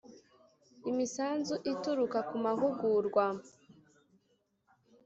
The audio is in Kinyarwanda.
Imisanzu ituruka ku mahugurwa